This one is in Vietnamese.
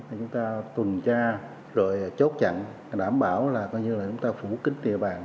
chúng ta tuần tra rồi chốt chặn đảm bảo là chúng ta phủ kính địa bàn